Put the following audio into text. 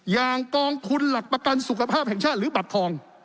อย่างกองทุนหลักประกันสุขภาพแห่งชาติหรือบัตรทอง